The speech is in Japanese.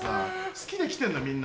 好きで来てるのよみんな。